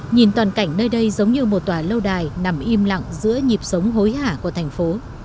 nhìn toàn cảnh nơi đây giống như một tòa lâu đài nằm im lặng giữa nhịp sống hối hả của thành phố